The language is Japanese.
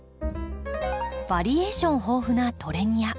バリエーション豊富なトレニア。